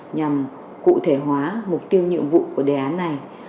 nhằm cụ thể hóa mục tiêu nhiệm vụ của đề án này